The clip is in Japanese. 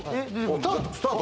スタート。